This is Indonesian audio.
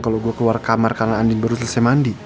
kalau gue keluar kamar karena andin baru selesai mandi